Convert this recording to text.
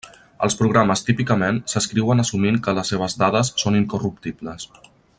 Els programes típicament s'escriuen assumint que les seves dades són incorruptibles.